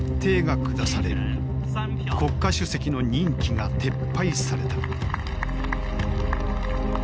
国家主席の任期が撤廃された。